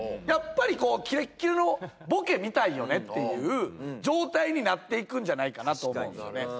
やっぱりキレッキレのボケ見たいよねっていう状態になっていくんじゃないかと思うんですよね。